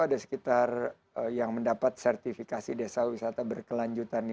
ada sekitar yang mendapat sertifikasi desa wisata berkelanjutan